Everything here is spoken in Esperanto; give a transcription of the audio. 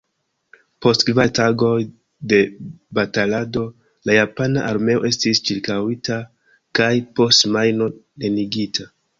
Post kvar tagoj de batalado la japana armeo estis ĉirkaŭita kaj post semajno neniigita.